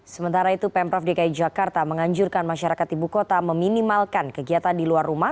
sementara itu pemprov dki jakarta menganjurkan masyarakat ibu kota meminimalkan kegiatan di luar rumah